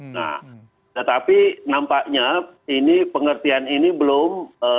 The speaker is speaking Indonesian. nah tapi nampaknya pengertian ini belum